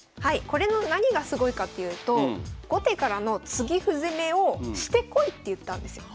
これの何がすごいかっていうと後手からの継ぎ歩攻めをしてこいっていったんですよ。